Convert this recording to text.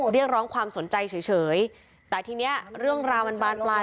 เรียกร้องความสนใจเฉยแต่ทีนี้เรื่องราวมันบานปลาย